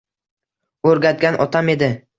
O’rgatgan otam edi.